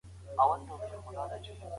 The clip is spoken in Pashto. که غواړې بریالی سې نو شک کوه.